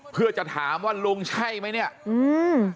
เพื่อจะถามว่าลุงใช่ไหม